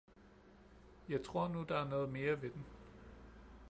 Jeg tror nu der er noget mere ved den